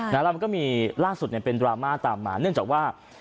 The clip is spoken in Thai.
แล้วมันก็มีล่าสุดเป็นดราม่าตามมาเนื่องจากว่า